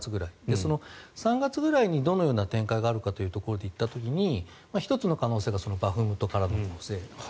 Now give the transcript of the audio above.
その３月ぐらいにどのような展開があるかというところで言った時に１つの可能性がバフムトからの攻勢。